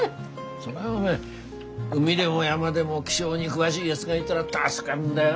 そりゃお前海でも山でも気象に詳しいやづがいだら助かるんだよ。